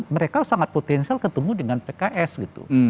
mereka sangat potensial ketemu dengan pks gitu